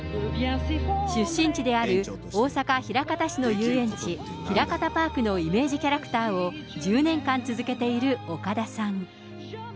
出身地である大阪・枚方市の遊園地、ひらかたパークのイメージキャラクターを１０年間続けている岡田さん。